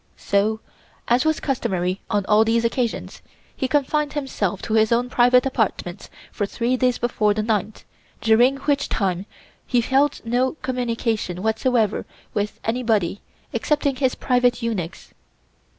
So, as was customary on all these occasions, he confined himself to his own private apartments for three days before the ninth, during which time he held no communication whatsoever with anybody excepting his private eunuchs.